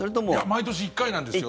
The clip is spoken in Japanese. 毎年１回なんですよ。